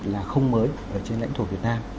là không mới ở trên lãnh thổ việt nam